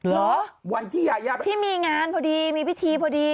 เหรอวันที่ยายาที่มีงานพอดีมีพิธีพอดี